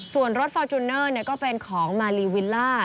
ส่วนรถฟอร์จูเนอร์ก็เป็นของมาลีวิลล่า